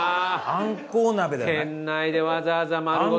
店内でわざわざ丸ごと。